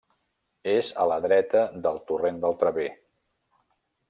És a la dreta del torrent del Traver.